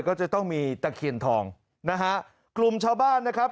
ก็จะต้องมีตะเคียนทองนะฮะกลุ่มชาวบ้านนะครับ